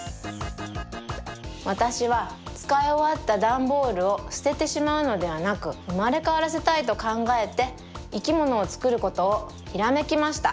わたしはつかいおわったダンボールをすててしまうのではなくうまれかわらせたいとかんがえていきものをつくることをひらめきました。